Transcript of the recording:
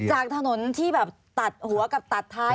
จากถนนที่แบบตัดหัวกับตัดท้าย